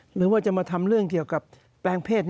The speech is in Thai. หรือว่าจะมาทำเรื่องเกี่ยวกับแปลงเพศ